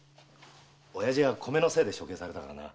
親父は米のせいで処刑されたからな。